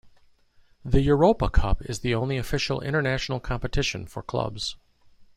The Europa Cup is the only official international competition for clubs.